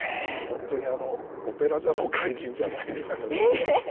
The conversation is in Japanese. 本当にあの「オペラ座の怪人」じゃないですけど。え。